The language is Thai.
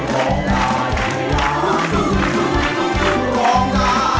ได้ครับ